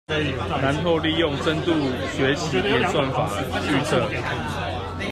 然後利用深度學習演算法預測